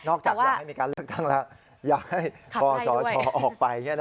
นอกจากอยากให้มีการเลือกตั้งอยากให้คอสอชอออกไป